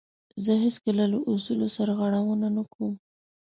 زه هیڅکله له اصولو سرغړونه نه کوم.